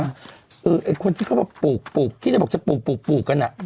ใครจะบอกเราจะปลูกกันน่ะ